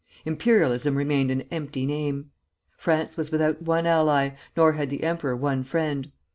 Imperialism remained an empty name. France was without one ally, nor had the emperor one friend.